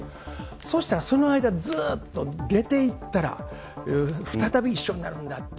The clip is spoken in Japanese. そしたら、その間、ずっと出ていったら、再び一緒になるんだと。